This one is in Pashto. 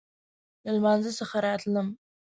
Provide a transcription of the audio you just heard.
له لمانځه څخه راتلم.